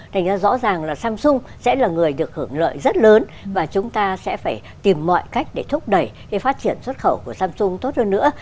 thành ra rõ ràng là samsung sẽ là người được hưởng lợi rất lớn và chúng ta sẽ phải tìm mọi cách để thúc đẩy cái phát triển xuất khẩu của samsung tốt hơn nữa